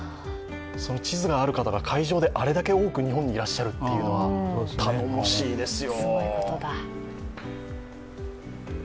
その地図がある方があれだけ日本にいらっしゃるのは頼もしいですよ。